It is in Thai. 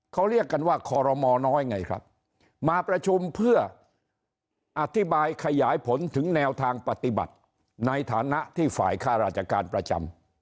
เขาเรียกกันว่าคอรมอน้อยไงครับมาประชุมเพื่ออธิบายขยายผลถึงแนวทางปฏิบัติในฐานะที่ฝ่ายค่าราชการประจำ